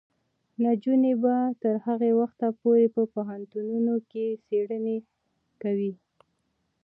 نجونې به تر هغه وخته پورې په پوهنتونونو کې څیړنې کوي.